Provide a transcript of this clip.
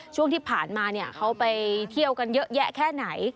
ช่วงที่ผ่านมาเขาไปเที่ยวกันเยอะแยะแค่ไหน